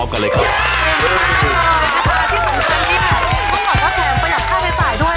ขอบคุณมากเลยนะคะที่สำคัญที่เมื่อก่อนก็แทนประหยัดค่าใช้จ่ายด้วย